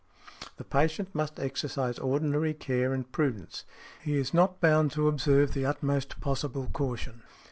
The patient must exercise ordinary care and prudence; he is not bound to observe the utmost possible caution.